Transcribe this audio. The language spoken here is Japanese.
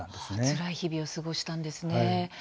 つらい日々を過ごしたんですね。